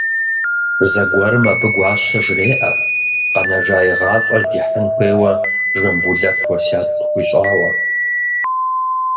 Зэгуэрым абы Гуащэ жреӏэ, къэнэжа и гъащӏэр дихьын хуейуэ Жамбулэт уэсят къыхуищӏауэ.